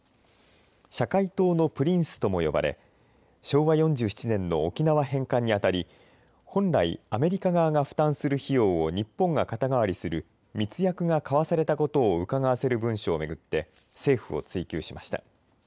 社会党のプリンスとも呼ばれ昭和４７年の沖縄返還にあたり本来アメリカ側が負担する費用を日本が肩代わりする密約が交わされたことをうかがわせる文書を巡って政府を追及しました。